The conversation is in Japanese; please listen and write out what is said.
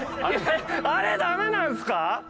あれダメなんすか！？